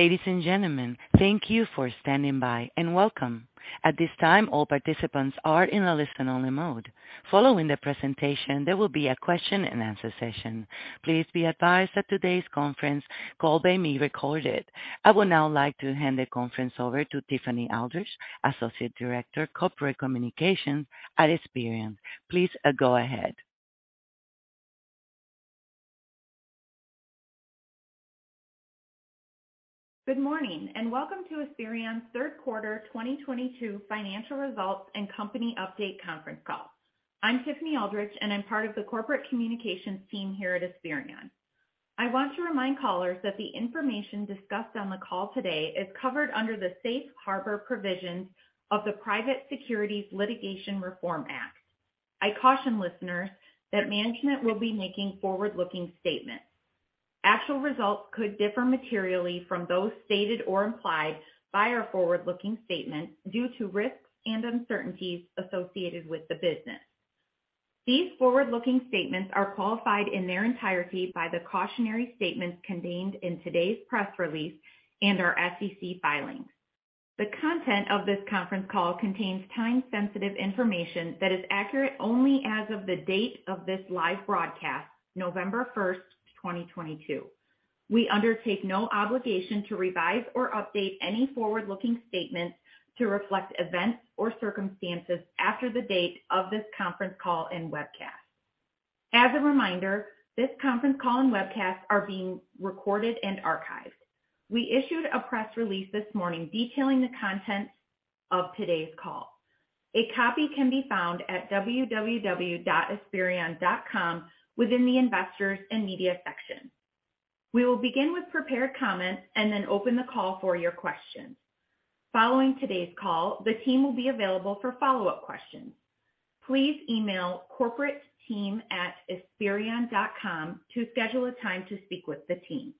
Ladies and gentlemen, thank you for standing by and welcome. At this time, all participants are in a listen-only mode. Following the presentation, there will be a question-and-answer session. Please be advised that today's conference call may be recorded. I would now like to hand the conference over to Tiffany Aldrich, Associate Director, Corporate Communications at Esperion. Please, go ahead. Good morning, welcome to Esperion's third quarter 2022 financial results and company update conference call. I'm Tiffany Aldrich, and I'm part of the corporate communications team here at Esperion. I want to remind callers that the information discussed on the call today is covered under the safe harbor provisions of the Private Securities Litigation Reform Act. I caution listeners that management will be making forward-looking statements. Actual results could differ materially from those stated or implied by our forward-looking statements due to risks and uncertainties associated with the business. These forward-looking statements are qualified in their entirety by the cautionary statements contained in today's press release and our SEC filings. The content of this conference call contains time-sensitive information that is accurate only as of the date of this live broadcast, November 1st, 2022. We undertake no obligation to revise or update any forward-looking statements to reflect events or circumstances after the date of this conference call and webcast. As a reminder, this conference call and webcast are being recorded and archived. We issued a press release this morning detailing the contents of today's call. A copy can be found at www.esperion.com within the Investors and Media section. We will begin with prepared comments and then open the call for your questions. Following today's call, the team will be available for follow-up questions. Please email corporateteam@esperion.com to schedule a time to speak with the team.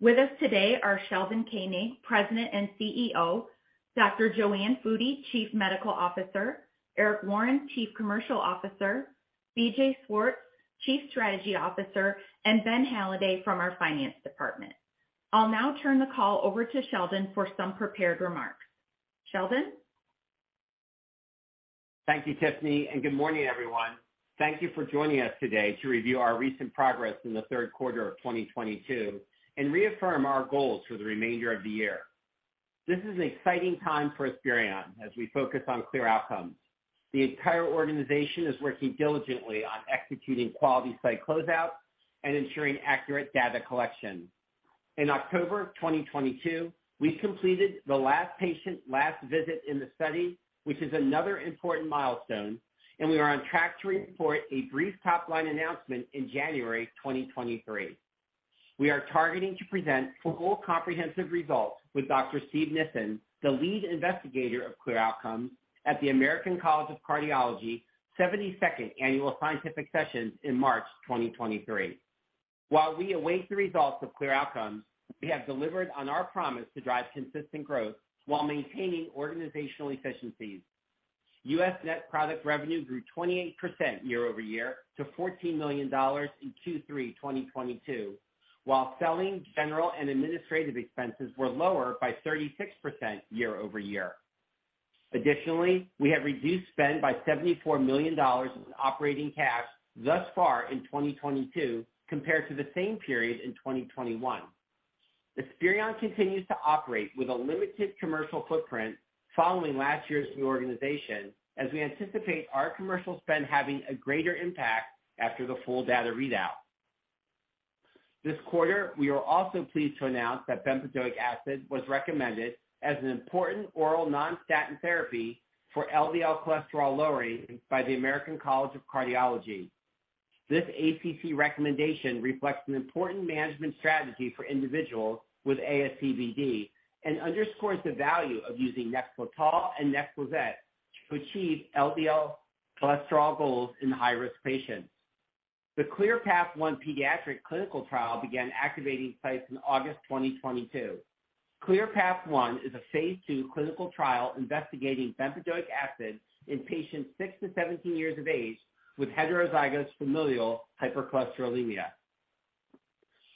With us today are Sheldon Koenig, President and CEO; Dr. JoAnne Foody, Chief Medical Officer; Eric Warren, Chief Commercial Officer; BJ Swartz, Chief Business Officer; and Ben Halladay from our finance department. I'll now turn the call over to Sheldon for some prepared remarks. Sheldon? Thank you, Tiffany, and good morning, everyone. Thank you for joining us today to review our recent progress in the third quarter of 2022 and reaffirm our goals for the remainder of the year. This is an exciting time for Esperion as we focus on CLEAR Outcomes. The entire organization is working diligently on executing quality site closeout and ensuring accurate data collection. In October of 2022, we completed the last patient, last visit in the study, which is another important milestone, and we are on track to report a brief top-line announcement in January 2023. We are targeting to present full comprehensive results with Dr. Steven Nissen, the lead investigator of CLEAR Outcomes, at the American College of Cardiology 72nd annual scientific sessions in March 2023. While we await the results of CLEAR Outcomes, we have delivered on our promise to drive consistent growth while maintaining organizational efficiencies. U.S. net product revenue grew 28% year-over-year to $14 million in Q3 2022, while selling, general, and administrative expenses were lower by 36% year-over-year. Additionally, we have reduced spend by $74 million in operating cash thus far in 2022 compared to the same period in 2021. Esperion continues to operate with a limited commercial footprint following last year's reorganization as we anticipate our commercial spend having a greater impact after the full data readout. This quarter, we are also pleased to announce that bempedoic acid was recommended as an important oral non-statin therapy for LDL cholesterol lowering by the American College of Cardiology. This ACC recommendation reflects an important management strategy for individuals with ASCVD and underscores the value of using NEXLETOL and NEXLIZET to achieve LDL cholesterol goals in high-risk patients. The CLEAR Path 1 pediatric clinical trial began activating sites in August 2022. CLEAR Path 1 is a phase II clinical trial investigating bempedoic acid in patients six to 17 years of age with heterozygous familial hypercholesterolemia.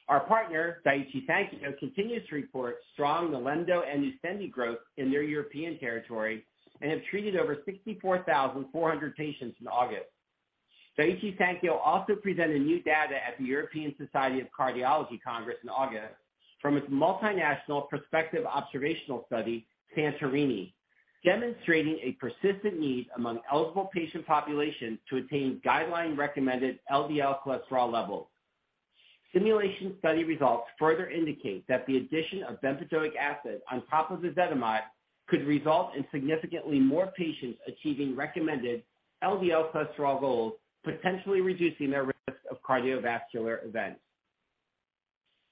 Our partner, Daiichi Sankyo, continues to report strong NILEMDO and NUSTENDI growth in their European territory and have treated over 64,400 patients in August. Daiichi Sankyo also presented new data at the European Society of Cardiology Congress in August from its multinational prospective observational study, SANTORINI, demonstrating a persistent need among eligible patient populations to attain guideline-recommended LDL cholesterol levels. Simulation study results further indicate that the addition of bempedoic acid on top of ezetimibe could result in significantly more patients achieving recommended LDL cholesterol goals, potentially reducing their risk of cardiovascular events.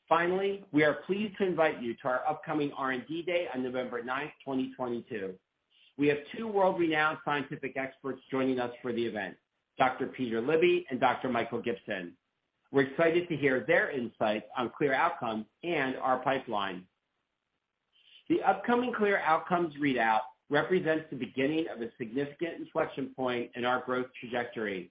Finally, we are pleased to invite you to our upcoming R&D day on November 9, 2022. We have two world-renowned scientific experts joining us for the event, Dr. Peter Libby and Dr. Michael Gibson. We're excited to hear their insights on CLEAR Outcomes and our pipeline. The upcoming CLEAR Outcomes readout represents the beginning of a significant inflection point in our growth trajectory.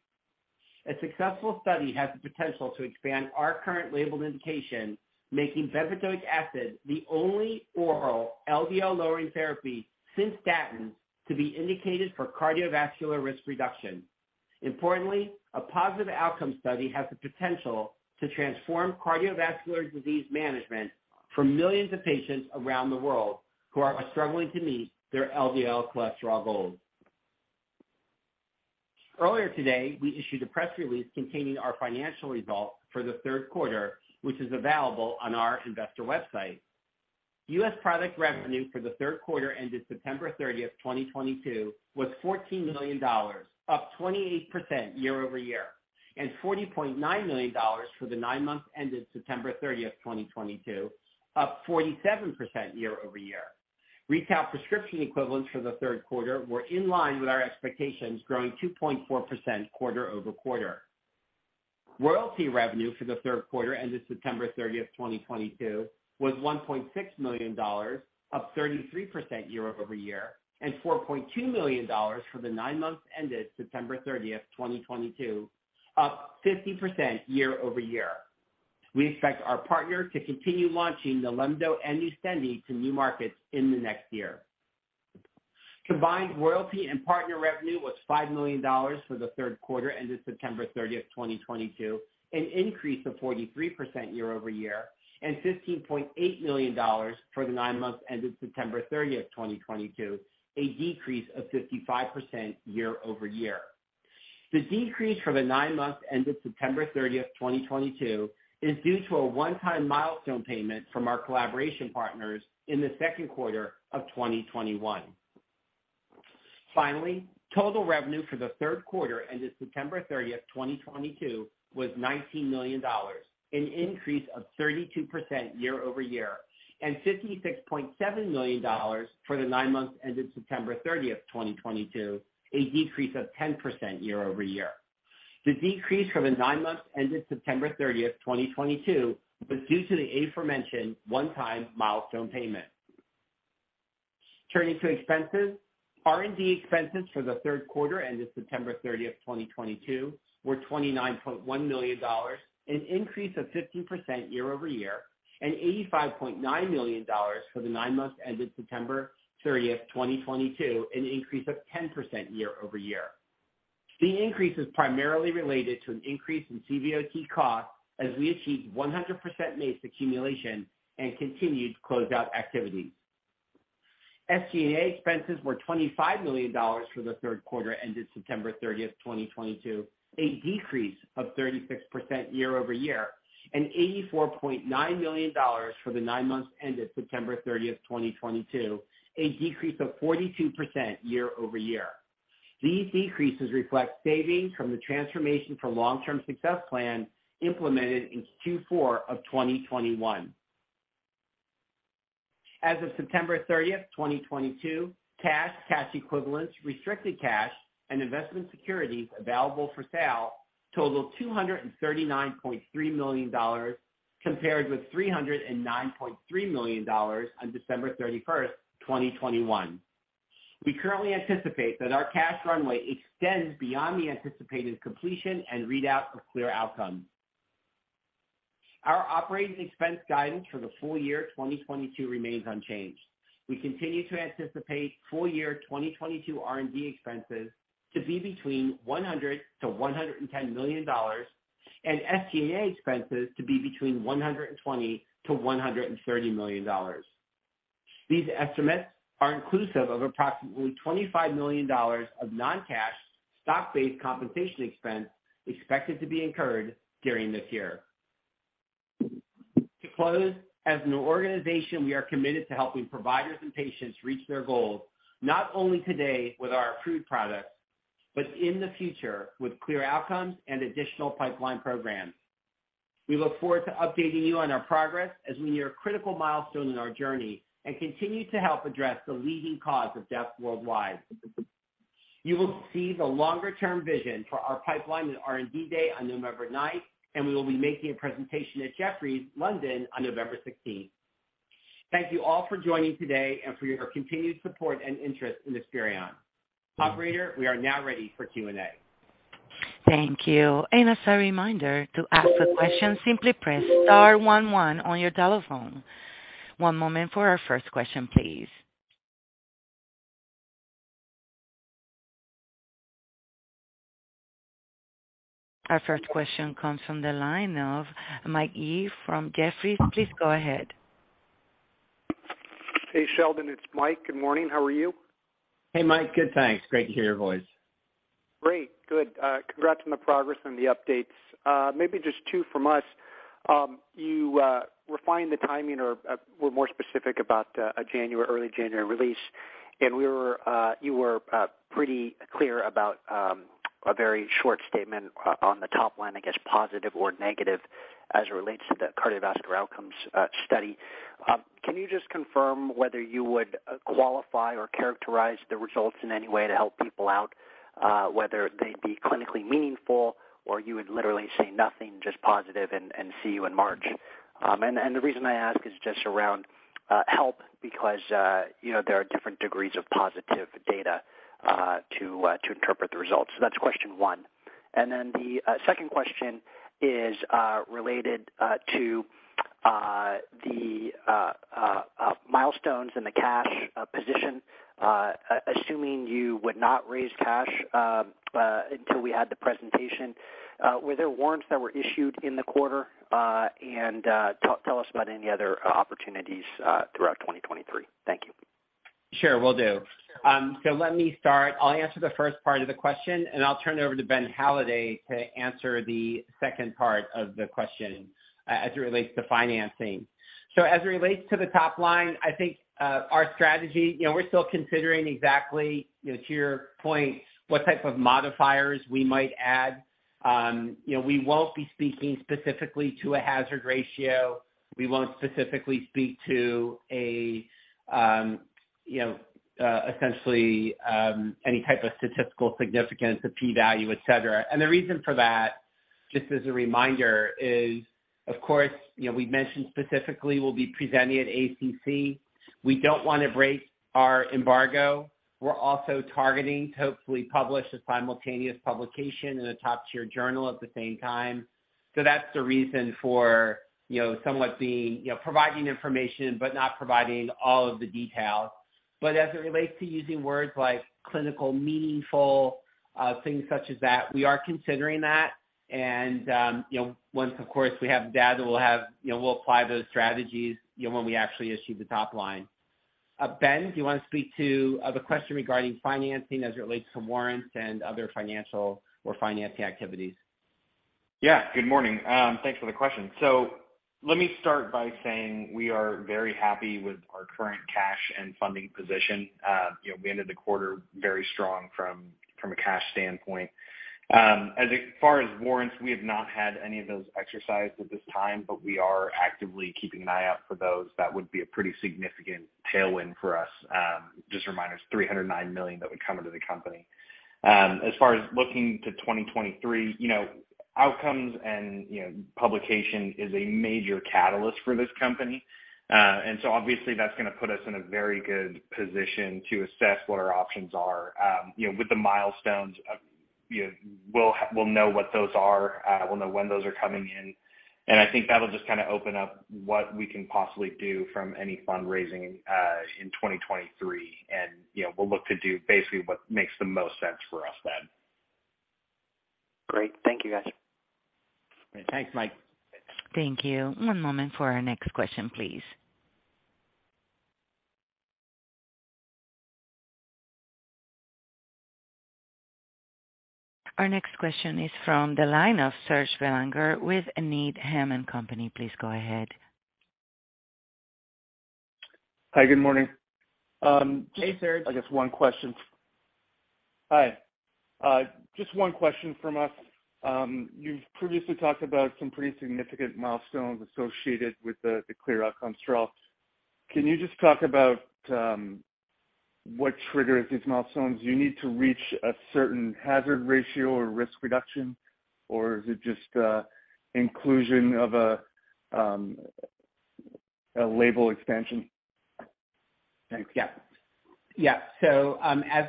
A successful study has the potential to expand our current labeled indication, making bempedoic acid the only oral LDL lowering therapy since statins to be indicated for cardiovascular risk reduction. Importantly, a positive outcome study has the potential to transform cardiovascular disease management for millions of patients around the world who are struggling to meet their LDL cholesterol goals. Earlier today, we issued a press release containing our financial results for the third quarter, which is available on our investor website. U.S. product revenue for the third quarter ended September 30th, 2022 was $14 million, up 28% year-over-year, and $40.9 million for the nine months ended September 30th, 2022, up 47% year-over-year. Retail prescription equivalents for the third quarter were in line with our expectations, growing 2.4% quarter-over-quarter. Royalty revenue for the third quarter ended September 30th, 2022 was $1.6 million, up 33% year-over-year, and $4.2 million for the nine months ended September 30th, 2022, up 50% year-over-year. We expect our partner to continue launching NILEMDO and NUSTENDI to new markets in the next year. Combined royalty and partner revenue was $5 million for the third quarter ended September 30th, 2022, an increase of 43% year-over-year, and $15.8 million for the nine months ended September 30th, 2022, a decrease of 55% year-over-year. The decrease for the nine months ended September 30th, 2022 is due to a one-time milestone payment from our collaboration partners in the second quarter of 2021. Finally, total revenue for the third quarter ended September 30th, 2022 was $19 million, an increase of 32% year-over-year, and $56.7 million for the nine months ended September 30th, 2022, a decrease of 10% year-over-year. The decrease for the nine months ended September 30th, 2022 was due to the aforementioned one-time milestone payment. Turning to expenses. R&D expenses for the third quarter ended September 30th, 2022 were $29.1 million, an increase of 15% year-over-year, and $85.9 million for the nine months ended September 30th, 2022, an increase of 10% year-over-year. The increase is primarily related to an increase in CVOT costs as we achieved 100% MACE accumulation and continued closeout activities. SG&A expenses were $25 million for the third quarter ended September 30th, 2022, a decrease of 36% year-over-year, and $84.9 million for the nine months ended September 30th, 2022, a decrease of 42% year-over-year. These decreases reflect savings from the transformation for long term success plan implemented in Q4 of 2021. As of September 30th, 2022, cash equivalents, restricted cash and investment securities available for sale totaled $239.3 million compared with $309.3 million on December 31st, 2021. We currently anticipate that our cash runway extends beyond the anticipated completion and readout of CLEAR Outcomes. Our operating expense guidance for the full year 2022 remains unchanged. We continue to anticipate full year 2022 R&D expenses to be between $100 million-$110 million and SG&A expenses to be between $120 million-$130 million. These estimates are inclusive of approximately $25 million of non-cash stock based compensation expense expected to be incurred during this year. To close, as an organization, we are committed to helping providers and patients reach their goals, not only today with our approved products, but in the future with CLEAR Outcomes and additional pipeline programs. We look forward to updating you on our progress as we near a critical milestone in our journey and continue to help address the leading cause of death worldwide. You will see the longer term vision for our pipeline at R&D Day on November 9th, and we will be making a presentation at Jefferies London on November 16th. Thank you all for joining today and for your continued support and interest in Esperion. Operator, we are now ready for Q&A. Thank you. As a reminder to ask a question, simply press star one one on your telephone. One moment for our first question, please. Our first question comes from the line of Mike Yee from Jefferies. Please go ahead. Hey, Sheldon, it's Mike. Good morning. How are you? Hey, Mike. Good, thanks. Great to hear your voice. Great, good. Congrats on the progress and the updates. Maybe just two from us. You refined the timing or were more specific about a January, early January release. You were pretty clear about a very short statement on the top line, I guess, positive or negative as it relates to the cardiovascular outcomes study. Can you just confirm whether you would qualify or characterize the results in any way to help people out, whether they'd be clinically meaningful or you would literally say nothing, just positive and see you in March? The reason I ask is just to help because, you know, there are different degrees of positive data to interpret the results. So that's question one. The second question is related to the milestones and the cash position, assuming you would not raise cash until we had the presentation. Were there warrants that were issued in the quarter? Tell us about any other opportunities throughout 2023. Thank you. Sure, will do. Let me start. I'll answer the first part of the question, and I'll turn it over to Ben Halladay to answer the second part of the question as it relates to financing. As it relates to the top line, I think, our strategy, you know, we're still considering exactly, you know, to your point, what type of modifiers we might add. You know, we won't be speaking specifically to a hazard ratio. We won't specifically speak to essentially any type of statistical significance, the P value, et cetera. The reason for that, just as a reminder, is, of course, you know, we've mentioned specifically we'll be presenting at ACC. We don't want to break our embargo. We're also targeting to hopefully publish a simultaneous publication in a top-tier journal at the same time. That's the reason for, you know, somewhat being, you know, providing information, but not providing all of the details. As it relates to using words like clinically meaningful, things such as that, we are considering that. You know, once, of course, we have data, we'll have, you know, we'll apply those strategies, you know, when we actually issue the top-line. Ben, do you want to speak to the question regarding financing as it relates to warrants and other financial or financing activities? Yeah, good morning. Thanks for the question. Let me start by saying we are very happy with our current cash and funding position. You know, we ended the quarter very strong from a cash standpoint. As far as warrants, we have not had any of those exercised at this time, but we are actively keeping an eye out for those. That would be a pretty significant tailwind for us. Just a reminder, it's $309 million that would come into the company. As far as looking to 2023, you know, outcomes and publication is a major catalyst for this company. Obviously, that's going to put us in a very good position to assess what our options are. You know, with the milestones, you know, we'll know what those are, we'll know when those are coming in. I think that'll just kind of open up what we can possibly do from any fundraising in 2023. You know, we'll look to do basically what makes the most sense for us then. Great. Thank you, guys. Thanks, Mike. Thank you. One moment for our next question, please. Our next question is from the line of Serge Belanger with Needham & Company. Please go ahead. Hi, good morning. Hey, Serge. I guess, one question. Hi, just one question from us. You've previously talked about some pretty significant milestones associated with the CLEAR Outcomes trial. Can you just talk about what triggers these milestones? Do you need to reach a certain hazard ratio or risk reduction? Or is it just inclusion of a label expansion? Thanks. Yeah. As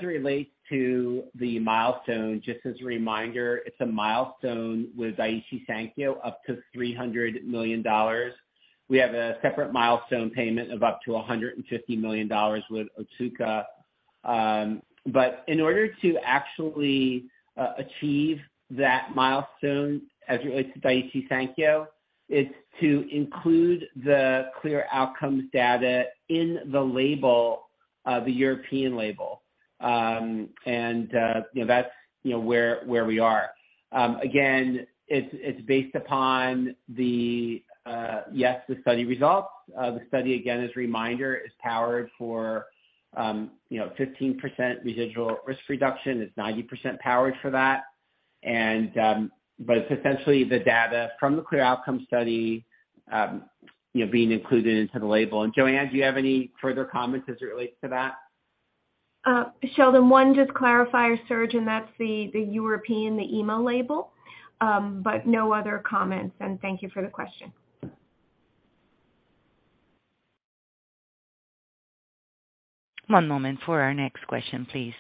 it relates to the milestone, just as a reminder, it's a milestone with Daiichi Sankyo, up to $300 million. We have a separate milestone payment of up to $150 million with Otsuka. In order to actually achieve that milestone as it relates to Daiichi Sankyo, it's to include the CLEAR Outcomes data in the label, the European label. You know, that's where we are. Again, it's based upon the study results. The study, again, as a reminder, is powered for, you know, 15% residual risk reduction. It's 90% powered for that. It's essentially the data from the CLEAR Outcomes study, you know, being included into the label. JoAnne, do you have any further comments as it relates to that? Sheldon, one, just to clarify, Serge, and that's the European EMA label. No other comments, and thank you for the question. One moment for our next question, please.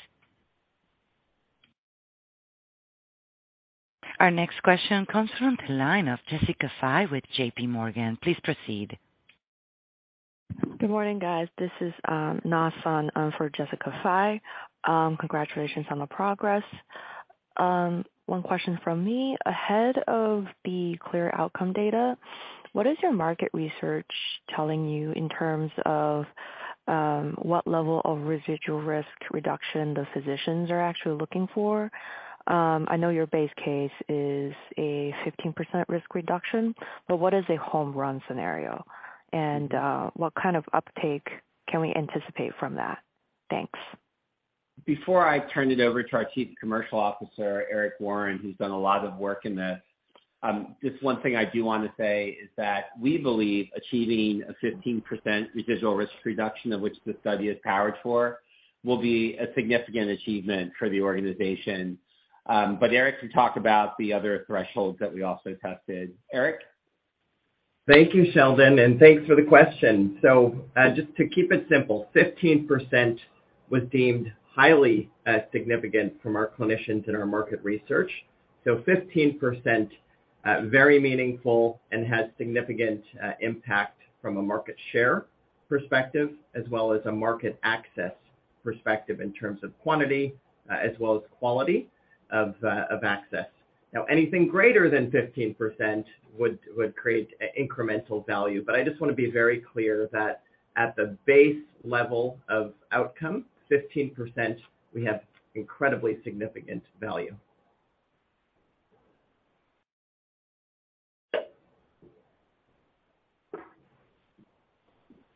Our next question comes from the line of Jessica Fye with JPMorgan. Please proceed. Good morning, guys. This is Na Sun in for Jessica Fye. Congratulations on the progress. One question from me. Ahead of the CLEAR Outcomes data, what is your market research telling you in terms of what level of residual risk reduction the physicians are actually looking for? I know your base case is a 15% risk reduction, but what is a home run scenario? What kind of uptake can we anticipate from that? Thanks. Before I turn it over to our Chief Commercial Officer, Eric Warren, who's done a lot of work in this, just one thing I do want to say is that we believe achieving a 15% residual risk reduction of which the study is powered for will be a significant achievement for the organization. Eric can talk about the other thresholds that we also tested. Eric? Thank you, Sheldon, and thanks for the question. Just to keep it simple, 15% was deemed highly significant from our clinicians in our market research. 15% very meaningful and has significant impact from a market share perspective as well as a market access perspective in terms of quantity as well as quality of access. Now, anything greater than 15% would create incremental value. I just want to be very clear that at the base level of outcome, 15%, we have incredibly significant value.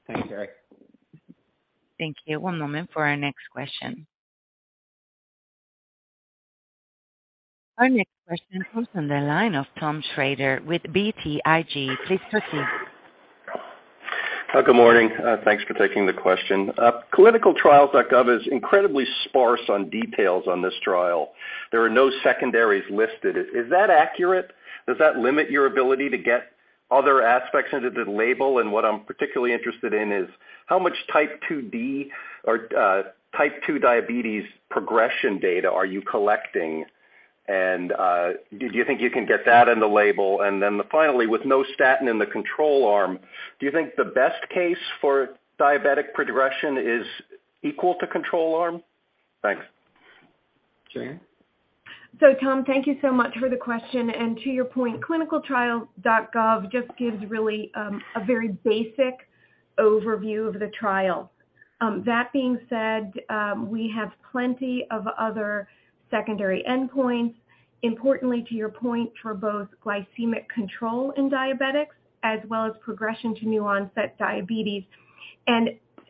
Thanks, Eric. Thank you. One moment for our next question. Our next question comes from the line of Tom Shrader with BTIG. Please proceed. Good morning. Thanks for taking the question. ClinicalTrials.gov is incredibly sparse on details on this trial. There are no secondaries listed. Is that accurate? Does that limit your ability to get other aspects into the label? And what I'm particularly interested in is how much Type 2 D or Type 2 diabetes progression data are you collecting? And do you think you can get that in the label? And then finally, with no statin in the control arm, do you think the best case for diabetic progression is equal to control arm? Thanks. JoAnne? Tom, thank you so much for the question. To your point, ClinicalTrials.gov just gives really a very basic overview of the trial. That being said, we have plenty of other secondary endpoints, importantly to your point, for both glycemic control in diabetics as well as progression to new onset diabetes.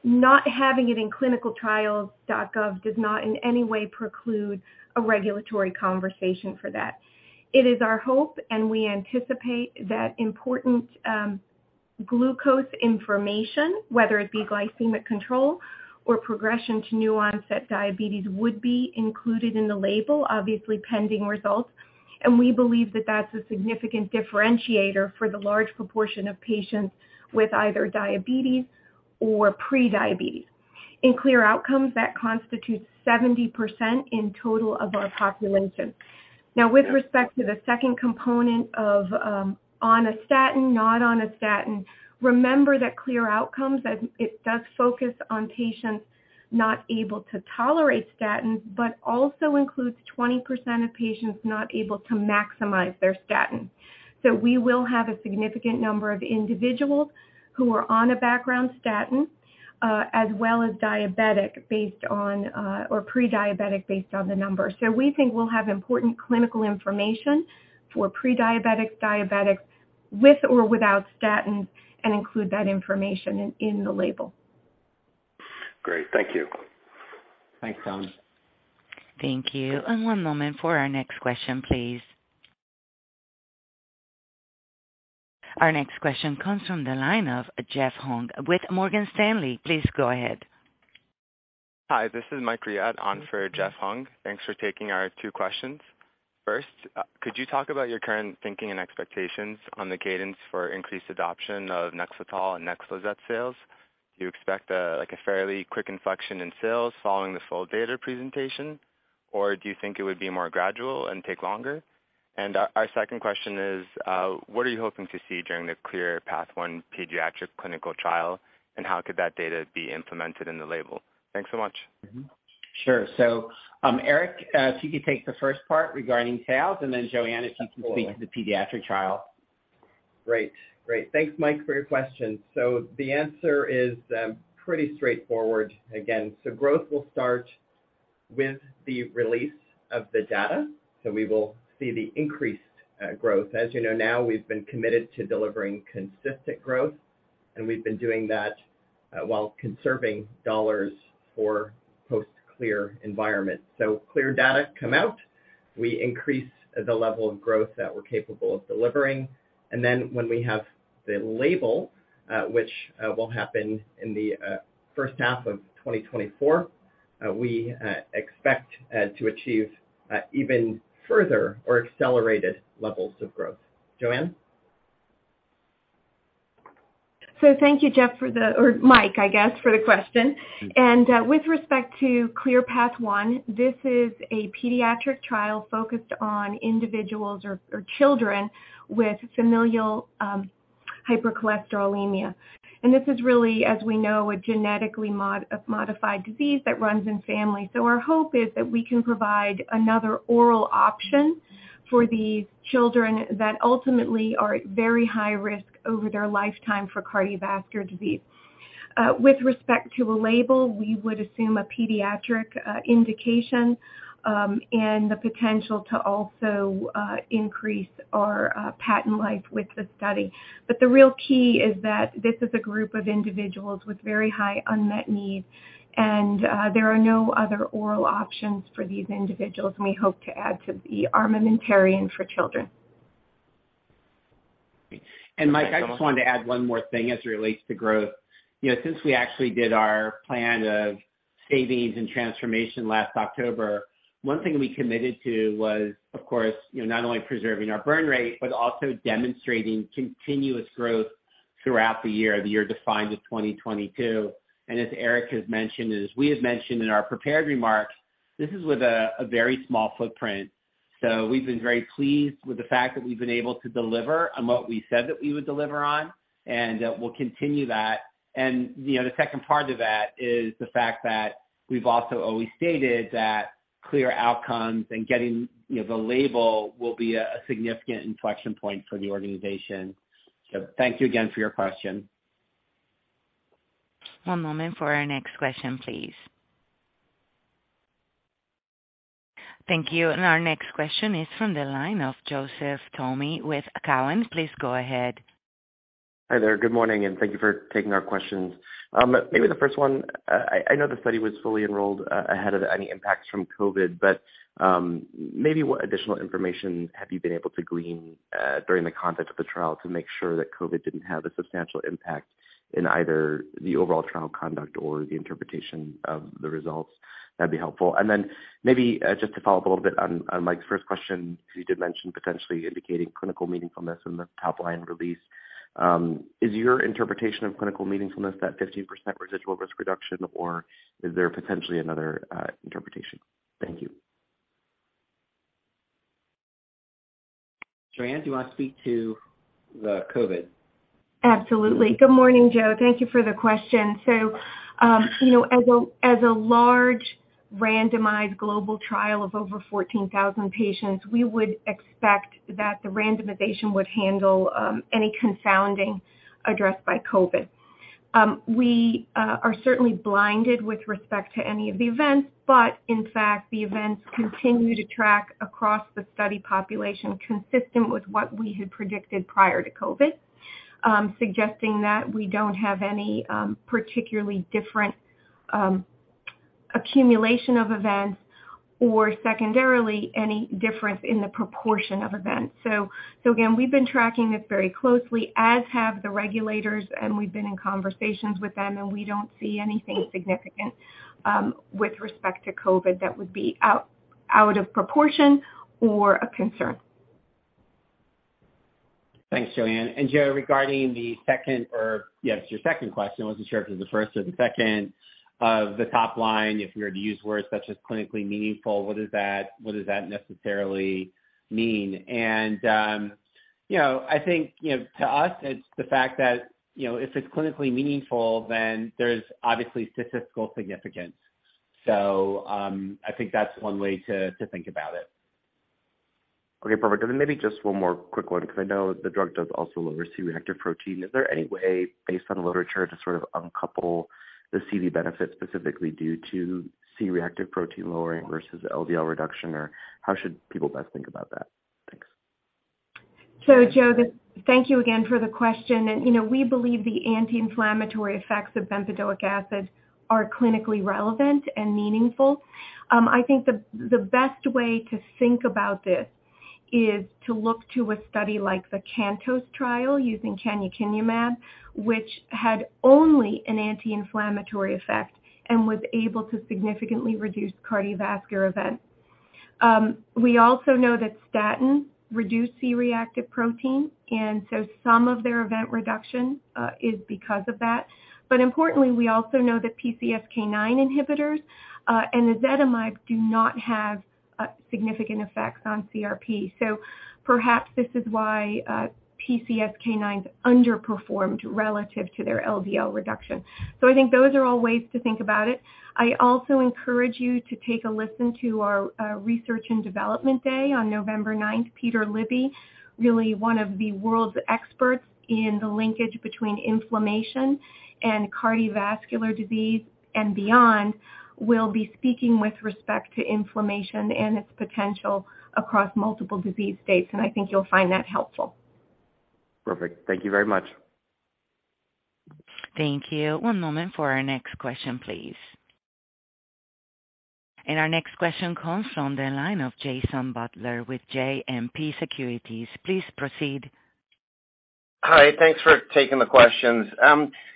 Not having it in ClinicalTrials.gov does not in any way preclude a regulatory conversation for that. It is our hope, and we anticipate that important glucose information, whether it be glycemic control or progression to new onset diabetes, would be included in the label, obviously pending results. We believe that that's a significant differentiator for the large proportion of patients with either diabetes or pre-diabetes. In CLEAR Outcomes, that constitutes 70% in total of our population. Now, with respect to the second component of on a statin, not on a statin, remember that CLEAR Outcomes does focus on patients not able to tolerate statins, but also includes 20% of patients not able to maximize their statin. We will have a significant number of individuals who are on a background statin, as well as diabetic based on or pre-diabetic based on the numbers. We think we'll have important clinical information for pre-diabetics, diabetics, with or without statins, and include that information in the label. Great. Thank you. Thanks, Tom. Thank you. One moment for our next question, please. Our next question comes from the line of Jeff Hung with Morgan Stanley. Please go ahead. Hi, this is Mike Riad on for Jeff Hung. Thanks for taking our two questions. First, could you talk about your current thinking and expectations on the cadence for increased adoption of NEXLETOL and NEXLIZET sales? Do you expect, like, a fairly quick inflection in sales following this full data presentation, or do you think it would be more gradual and take longer? Our second question is what are you hoping to see during the CLEAR Path-1 pediatric clinical trial, and how could that data be implemented in the label? Thanks so much. Sure. Eric, if you could take the first part regarding sales and then JoAnne, if you can speak to the pediatric trial. Great. Thanks Mike for your question. The answer is pretty straightforward again. Growth will start with the release of the data. We will see the increased growth. As you know now, we've been committed to delivering consistent growth, and we've been doing that while conserving dollars for post-CLEAR environment. CLEAR data come out, we increase the level of growth that we're capable of delivering. Then when we have the label, which will happen in the first half of 2024, we expect to achieve even further or accelerated levels of growth. JoAnne? Thank you, Jeff, or Mike, I guess, for the question. With respect to CLEAR Path-1, this is a pediatric trial focused on individuals or children with familial hypercholesterolemia. This is really, as we know, a genetically modified disease that runs in families. Our hope is that we can provide another oral option for these children that ultimately are at very high risk over their lifetime for cardiovascular disease. With respect to a label, we would assume a pediatric indication and the potential to also increase our patent life with the study. The real key is that this is a group of individuals with very high unmet need, and there are no other oral options for these individuals, and we hope to add to the armamentarium for children. Mike, I just wanted to add one more thing as it relates to growth. You know, since we actually did our plan of- Savings and transformation last October, one thing we committed to was, of course, you know, not only preserving our burn rate, but also demonstrating continuous growth throughout the year, the year defined as 2022. As Eric has mentioned, and as we have mentioned in our prepared remarks, this is with a very small footprint. We've been very pleased with the fact that we've been able to deliver on what we said that we would deliver on, and we'll continue that. You know, the second part of that is the fact that we've also always stated that CLEAR Outcomes and getting, you know, the label will be a significant inflection point for the organization. Thank you again for your question. One moment for our next question, please. Thank you. Our next question is from the line of Joseph Thome with Cowen. Please go ahead. Hi there. Good morning, and thank you for taking our questions. Maybe the first one, I know the study was fully enrolled ahead of any impacts from COVID, but maybe what additional information have you been able to glean during the conduct of the trial to make sure that COVID didn't have a substantial impact in either the overall trial conduct or the interpretation of the results? That'd be helpful. Maybe, just to follow up a little bit on Mike's first question, you did mention potentially indicating clinical meaningfulness in the top line release. Is your interpretation of clinical meaningfulness that 15% residual risk reduction, or is there potentially another interpretation? Thank you. JoAnne, do you want to speak to the COVID? Absolutely. Good morning, Joe. Thank you for the question. You know, as a large randomized global trial of over 14,000 patients, we would expect that the randomization would handle any confounding addressed by COVID. We are certainly blinded with respect to any of the events, but in fact, the events continue to track across the study population consistent with what we had predicted prior to COVID, suggesting that we don't have any particularly different accumulation of events or secondarily any difference in the proportion of events. Again, we've been tracking this very closely, as have the regulators, and we've been in conversations with them, and we don't see anything significant with respect to COVID that would be out of proportion or a concern. Thanks, JoAnne. Joe, regarding your second question. I wasn't sure if it was the first or the second of the top line. If we were to use words such as clinically meaningful, what does that necessarily mean? You know, I think, you know, to us, it's the fact that, you know, if it's clinically meaningful, then there's obviously statistical significance. I think that's one way to think about it. Okay, perfect. Maybe just one more quick one, because I know the drug does also lower C-reactive protein. Is there any way, based on literature, to sort of uncouple the CV benefit specifically due to C-reactive protein lowering versus LDL reduction? Or how should people best think about that? Thanks. Joe, thank you again for the question. You know, we believe the anti-inflammatory effects of bempedoic acid are clinically relevant and meaningful. I think the best way to think about this is to look to a study like the CANTOS trial using canakinumab, which had only an anti-inflammatory effect and was able to significantly reduce cardiovascular events. We also know that statins reduce C-reactive protein, and so some of their event reduction is because of that. Importantly, we also know that PCSK9 inhibitors and ezetimibe do not have significant effects on CRP. Perhaps this is why PCSK9s underperformed relative to their LDL reduction. I think those are all ways to think about it. I also encourage you to take a listen to our research and development day on November 9th. Peter Libby, really one of the world's experts in the linkage between inflammation and cardiovascular disease and beyond, will be speaking with respect to inflammation and its potential across multiple disease states. I think you'll find that helpful. Perfect. Thank you very much. Thank you. One moment for our next question, please. Our next question comes from the line of Jason Butler with JMP Securities. Please proceed. Hi. Thanks for taking the questions.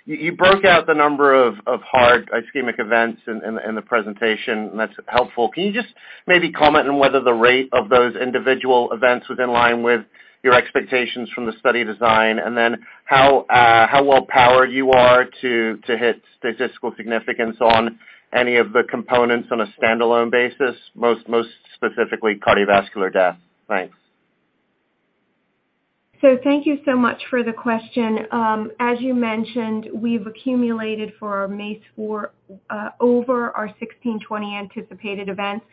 You broke out the number of hard ischemic events in the presentation, and that's helpful. Can you just maybe comment on whether the rate of those individual events was in line with your expectations from the study design? How well powered you are to hit statistical significance on any of the components on a standalone basis, most specifically cardiovascular death? Thanks. Thank you so much for the question. As you mentioned, we've accumulated for our MACE-4 over our 1,620 anticipated events,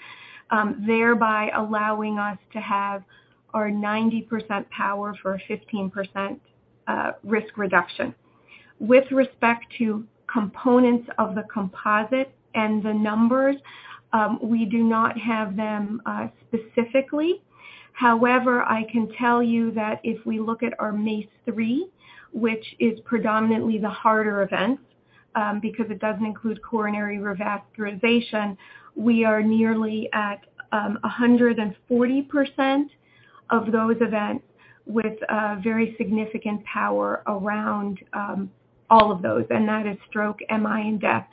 thereby allowing us to have our 90% power for a 15% risk reduction. With respect to components of the composite and the numbers, we do not have them specifically. However, I can tell you that if we look at our MACE-3, which is predominantly the harder events, because it doesn't include coronary revascularization, we are nearly at 140% of those events with very significant power around all of those, and that is stroke, MI, and death.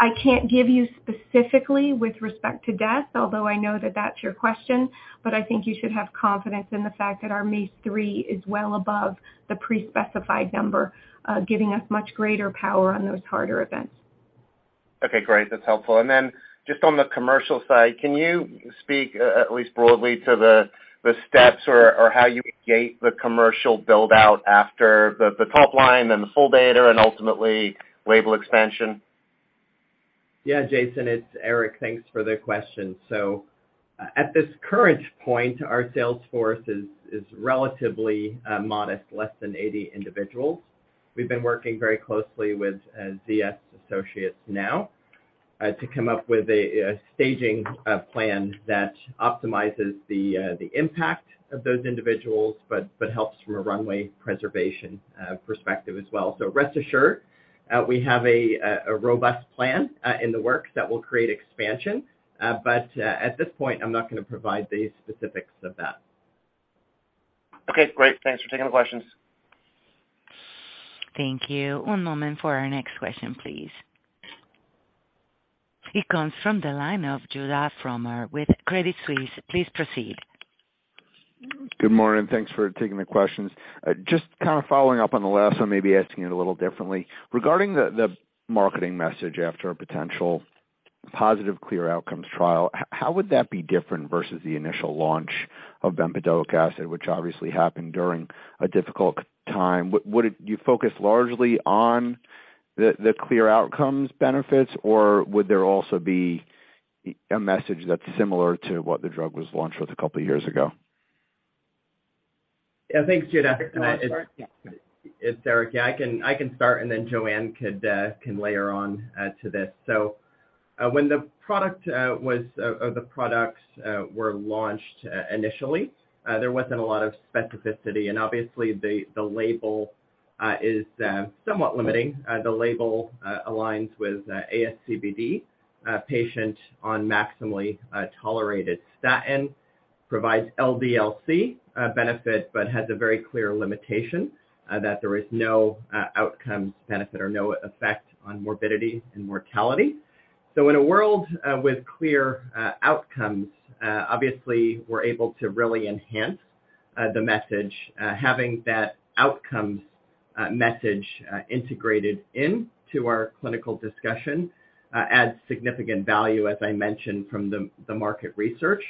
I can't give you specifically with respect to death, although I know that that's your question, but I think you should have confidence in the fact that our MACE-3 is well above the pre-specified number, giving us much greater power on those harder events. Okay, great. That's helpful. Just on the commercial side, can you speak at least broadly to the steps or how you gate the commercial build-out after the top line, then the full data and ultimately label expansion? Yeah, Jason, it's Eric. Thanks for the question. At this current point, our sales force is relatively modest, less than 80 individuals. We've been working very closely with ZS Associates now to come up with a staging plan that optimizes the impact of those individuals, but helps from a runway preservation perspective as well. Rest assured, we have a robust plan in the works that will create expansion. At this point, I'm not gonna provide the specifics of that. Okay, great. Thanks for taking the questions. Thank you. One moment for our next question, please. It comes from the line of Judah Frommer with Credit Suisse. Please proceed. Good morning. Thanks for taking the questions. Just kind of following up on the last one, maybe asking it a little differently. Regarding the marketing message after a potential positive CLEAR Outcomes trial, how would that be different versus the initial launch of bempedoic acid, which obviously happened during a difficult time? Would you focus largely on the CLEAR Outcomes benefits, or would there also be a message that's similar to what the drug was launched with a couple years ago? Yeah. Thanks, Judah Frommer. It's Eric Warren. Yeah, I can start and then JoAnne Foody could layer on to this. When the product was or the products were launched initially, there wasn't a lot of specificity, and obviously the label is somewhat limiting. The label aligns with ASCVD patient on maximally tolerated statin, provides LDL-C benefit, but has a very clear limitation that there is no outcomes benefit or no effect on morbidity and mortality. In a world with clear outcomes, obviously we're able to really enhance the message. Having that outcomes message integrated into our clinical discussion adds significant value, as I mentioned from the market research.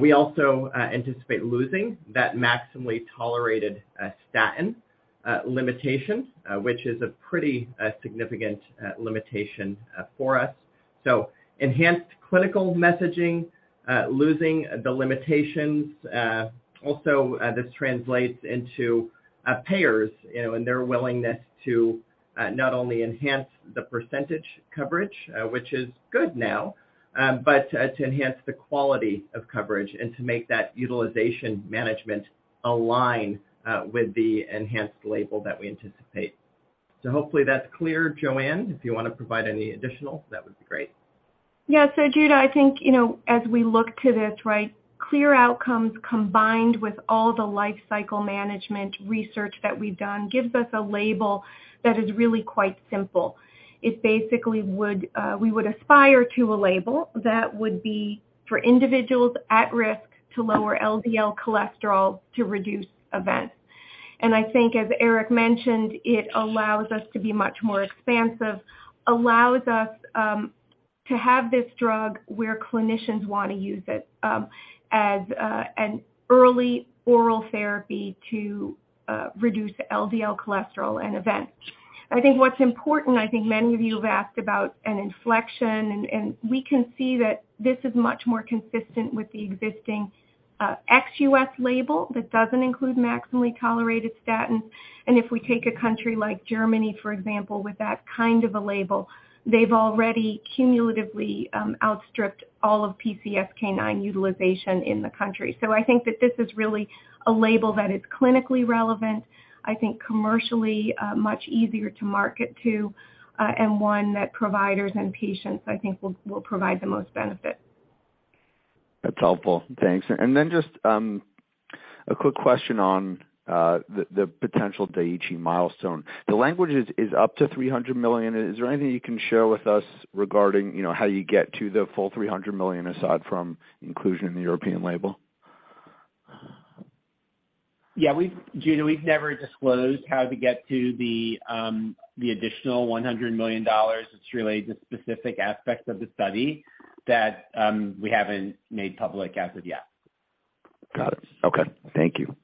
We also anticipate losing that maximally tolerated statin limitation, which is a pretty significant limitation for us. Enhanced clinical messaging losing the limitations. Also, this translates into payers, you know, and their willingness to not only enhance the percentage coverage, which is good now, but to enhance the quality of coverage and to make that utilization management align with the enhanced label that we anticipate. Hopefully that's clear. JoAnne, if you wanna provide any additional, that would be great. Yeah. Judah, I think, you know, as we look to this, right, CLEAR Outcomes combined with all the lifecycle management research that we've done gives us a label that is really quite simple. We would aspire to a label that would be for individuals at risk to lower LDL cholesterol to reduce events. I think as Eric mentioned, it allows us to be much more expansive, allows us to have this drug where clinicians wanna use it as an early oral therapy to reduce LDL cholesterol and events. I think what's important, I think many of you have asked about an inflection and we can see that this is much more consistent with the existing ex-U.S. label that doesn't include maximally tolerated statins. If we take a country like Germany, for example, with that kind of a label, they've already cumulatively outstripped all of PCSK9 utilization in the country. I think that this is really a label that is clinically relevant, I think commercially much easier to market to, and one that providers and patients I think will provide the most benefit. That's helpful. Thanks. Then just a quick question on the potential Daiichi milestone. The language is up to $300 million. Is there anything you can share with us regarding, you know, how you get to the full $300 million aside from inclusion in the European label? Yeah, Judah, we've never disclosed how to get to the additional $100 million. It's really the specific aspects of the study that we haven't made public as of yet. Got it. Okay. Thank you.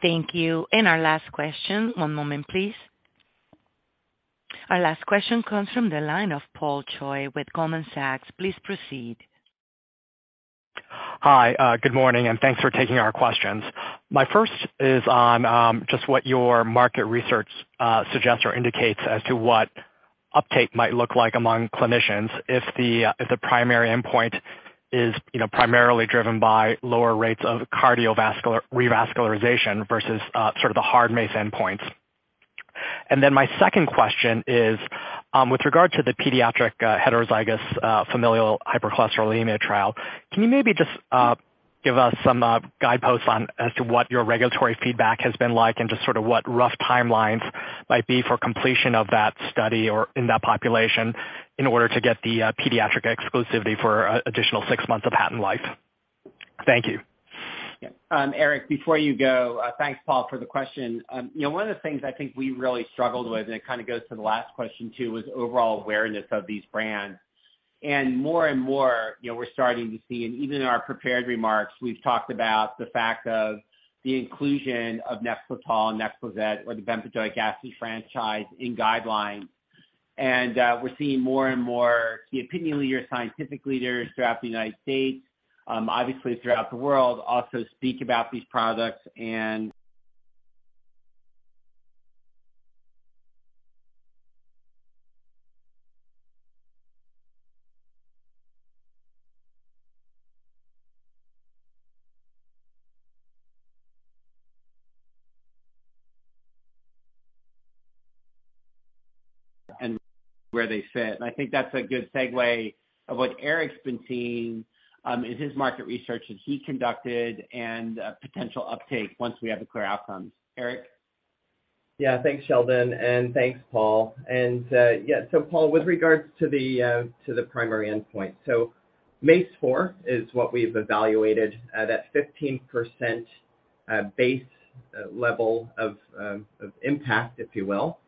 Thank you. Our last question. One moment, please. Our last question comes from the line of Paul Choi with Goldman Sachs. Please proceed. Hi. Good morning, and thanks for taking our questions. My first is on just what your market research suggests or indicates as to what uptake might look like among clinicians if the primary endpoint is, you know, primarily driven by lower rates of cardiovascular revascularization versus sort of the hard MACE endpoints. My second question is with regard to the pediatric heterozygous familial hypercholesterolemia trial, can you maybe just give us some guideposts on as to what your regulatory feedback has been like and just sort of what rough timelines might be for completion of that study or in that population in order to get the pediatric exclusivity for a additional six months of patent life? Thank you. Yeah. Eric, before you go, thanks, Paul, for the question. You know, one of the things I think we really struggled with, and it kinda goes to the last question too, was overall awareness of these brands. More and more, you know, we're starting to see, and even in our prepared remarks, we've talked about the fact of the inclusion of NEXLETOL and NEXLIZET or the bempedoic acid franchise in guidelines. We're seeing more and more the opinion leader, scientific leaders throughout the United States, obviously throughout the world, also speak about these products and where they fit. I think that's a good segue of what Eric's been seeing, in his market research that he conducted and a potential uptake once we have the CLEAR Outcomes. Eric? Yeah. Thanks, Sheldon. Thanks, Paul. Paul, with regards to the primary endpoint, MACE-4 is what we've evaluated. That 15% base level of impact, if you will,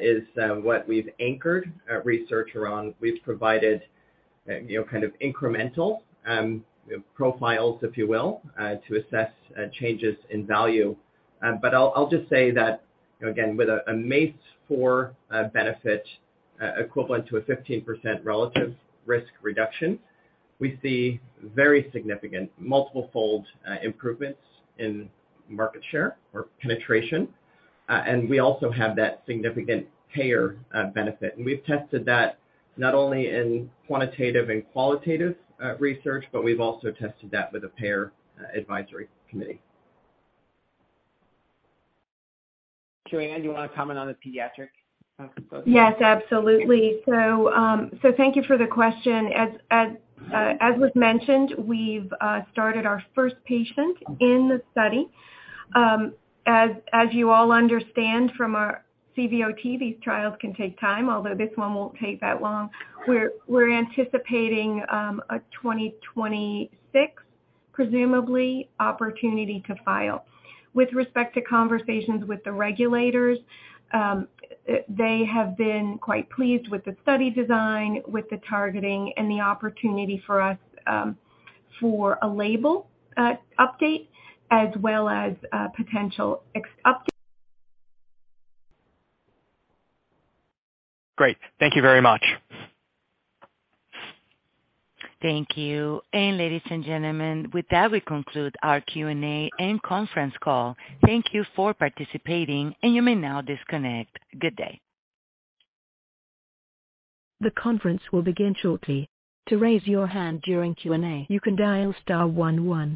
is what we've anchored our research around. We've provided, you know, kind of incremental profiles, if you will, to assess changes in value. I'll just say that, you know, again, with a MACE-4 benefit equivalent to a 15% relative risk reduction, we see very significant multiple fold improvements in market share or penetration. We also have that significant payer benefit. We've tested that not only in quantitative and qualitative research, but we've also tested that with a payer advisory committee. JoAnne, you wanna comment on the pediatric component? Yes, absolutely. Thank you for the question. As was mentioned, we've started our first patient in the study. As you all understand from our CVOT, these trials can take time, although this one won't take that long. We're anticipating a 2026 presumably opportunity to file. With respect to conversations with the regulators, they have been quite pleased with the study design, with the targeting and the opportunity for us, for a label update as well as potential EU updates. Great. Thank you very much. Thank you. Ladies and gentlemen, with that, we conclude our Q&A and conference call. Thank you for participating, and you may now disconnect. Good day. The conference will begin shortly. To raise your hand during Q&A, you can dial star one one.